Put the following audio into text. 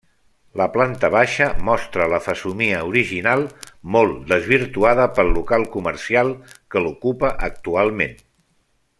La planta baixa mostra la fesomia original molt desvirtuada pel local comercial que l'ocupa actualment.